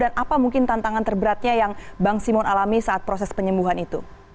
dan apa mungkin tantangan terberatnya yang bang simon alami saat proses penyembuhan itu